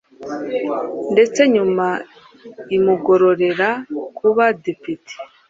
ndetse nyuma imugororera kuba depite